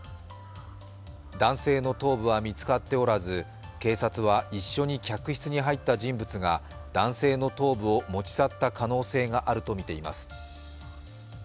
男性の頭部は見つかっておらず、警察は一緒に客室に入った人物が、男性の頭部を持ち去った可能性があるとみています。